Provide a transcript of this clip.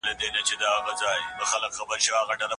دوی به د نجلۍ شرعي حق پوره ورکړي.